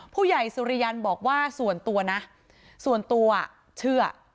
ผู้ใหญ่สุริยันบอกว่าส่วนตัวนะส่วนตัวเชื่อ